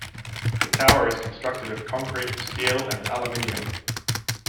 The tower is constructed of concrete, steel, and aluminum.